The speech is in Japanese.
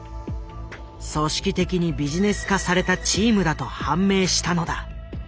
組織的にビジネス化されたチームだと判明したのだ。